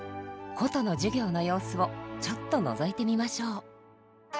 箏の授業の様子をちょっとのぞいてみましょう。